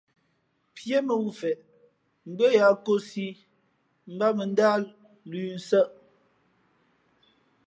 Píé mά wū mfen mbʉ́ά yáá nkōsī mbát mᾱ ndáh lʉ̄ nsάʼ.